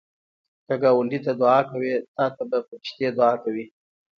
که ګاونډي ته دعا کوې، تا ته به فرښتې دعا کوي